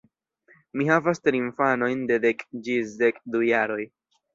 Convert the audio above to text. Mi havas tri infanojn de dek ĝis dek du jaroj.